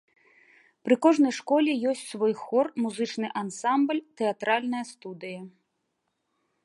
Пры кожнай школе ёсць свой хор, музычны ансамбль, тэатральная студыя.